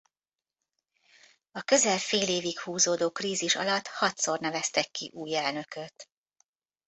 A közel fél évig húzódó krízis alatt hatszor neveztek ki új elnököt.